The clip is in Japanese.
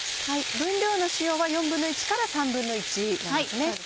分量の塩は１／４から１／３なんですね。